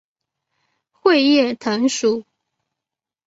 穗叶藤属。